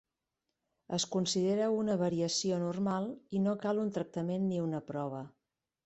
Es considera una variació normal i no cal un tractament ni una prova.